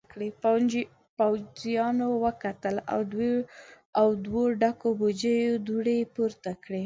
پوځيانو وکتل او دوو ډکو بوجيو دوړې پورته کړې.